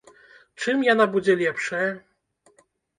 Чым яна будзе лепшая?